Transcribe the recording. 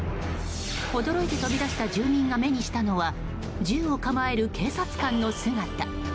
驚いて飛び出した住民が目にしたのは銃を構える警察官の姿。